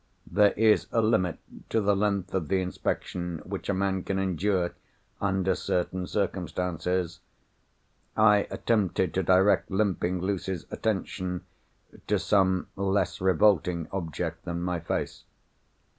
There is a limit to the length of the inspection which a man can endure, under certain circumstances. I attempted to direct Limping Lucy's attention to some less revolting object than my face.